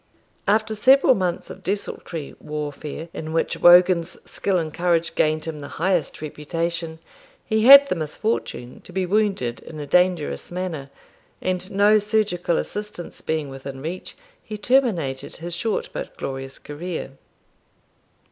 After several months of desultory warfare, in which Wogan's skill and courage gained him the highest reputation, he had the misfortune to be wounded in a dangerous manner, and no surgical assistance being within reach he terminated his short but glorious career.